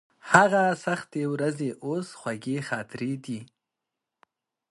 هغه سختې ورځې اوس خوږې خاطرې دي.